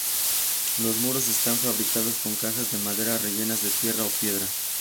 Los muros están fabricados con cajas de madera rellenas de tierra o piedras.